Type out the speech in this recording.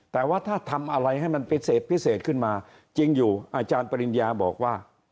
แต่ว่าถ้าทำอะไรให้มันพิเศษพิเศษขึ้นมาจริงอยู่อาจารย์ปริญญาบอกว่า